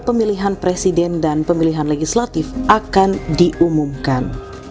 pemilihan presiden dan pemilihan legislatif akan diumumkan